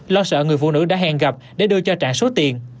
lo sợ người phụ nữ đã hẹn gặp để đưa cho trạng số tiền